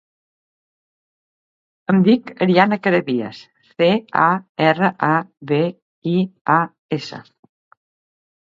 Em dic Ariadna Carabias: ce, a, erra, a, be, i, a, essa.